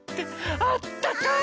あったかい！